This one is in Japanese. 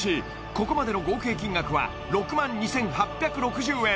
ここまでの合計金額は６万２８６０円